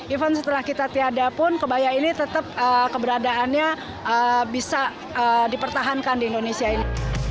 even setelah kita tiada pun kebaya ini tetap keberadaannya bisa dipertahankan di indonesia ini